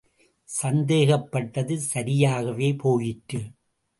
சந்தேகப் பட்டது சரியாகவே போயிற்று.